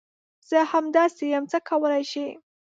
زه همداسي یم ، څه کولی شې ؟